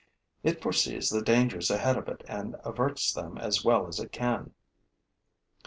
It foresees the dangers ahead of it and averts them as well as it can.